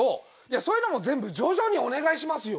そういうのも全部徐々にお願いしますよ。